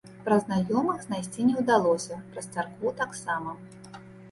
Праз знаёмых знайсці не ўдалося, праз царкву таксама.